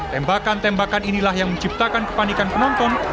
tembakan tembakan inilah yang menciptakan kepanikan penonton